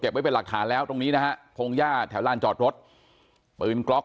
ไว้เป็นหลักฐานแล้วตรงนี้นะฮะพงหญ้าแถวลานจอดรถปืนกล็อก